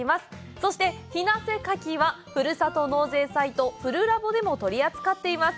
そして日生かきは、ふるさと納税サイト「ふるラボ」でも取り扱っています。